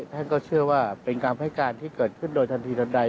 ท่านก็เชื่อว่าเป็นคำให้การที่เกิดขึ้นโดยทันทีทันใด